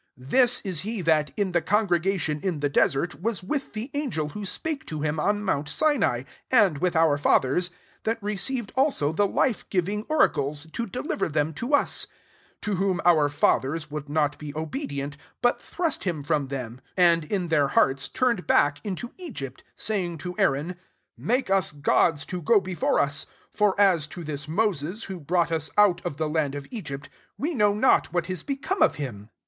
38 This is he :hat, in the congregation in the jesert, was with the angel who ipake to him on mount Sinai, u)d with our fathers : that re ceived alio the life giving ora :les, to deliver them to us : ^9 to whom our fathers would lot be obedient ; but thrust him vora them, and in their hearts umed back into Egypt, 40 say ng to Aaron, ' Make us gods o go before us : for a* to this doseS) who brought us out of be land of Egypt, we know not i^hat is become of him.'